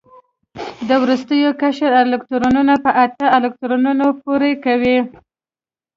د وروستي قشر الکترونونه په اته الکترونونو پوره کوي.